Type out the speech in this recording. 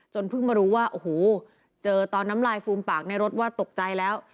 เพิ่งมารู้ว่าโอ้โหเจอตอนน้ำลายฟูมปากในรถว่าตกใจแล้ว